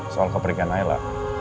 soal kepergian aila